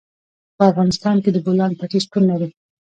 په افغانستان کې د بولان پټي شتون لري.